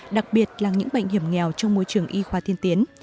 đặc biệt là những bệnh hiểm nghèo trong môi trường y khoa tiên tiến